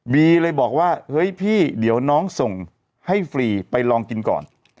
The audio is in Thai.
เลยบอกว่าเฮ้ยพี่เดี๋ยวน้องส่งให้ฟรีไปลองกินก่อน